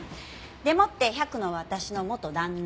でもって百野は私の元旦那。